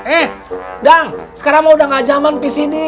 eh dang sekarang mah udah gak jaman pcd